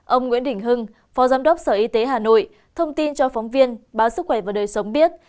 ông nguyễn đình hưng phó giám đốc sở y tế hà nội thông tin cho phóng viên báo sức khỏe và đời sống biết